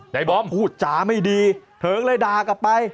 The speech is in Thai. บอมพูดจาไม่ดีเธอก็เลยด่ากลับไป